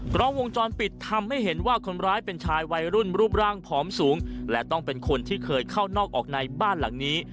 กล้องวงจรปิดทำให้เห็นว่าคนร้ายเป็นชายวัยรุ่นรูปร่างผอมสูงและต้องเป็นคนที่เคยเข้านอกออกในบ้านหลังนี้